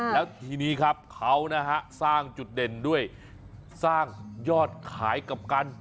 แล้วทีนี้ครับเขานะฮะสร้างจุดเด่นด้วยสร้างยอดขายกับกัน